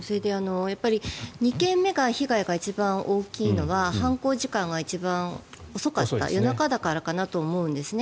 ２件目が被害が一番大きいのは犯行時間が一番遅かった夜中だからかなと思うんですね。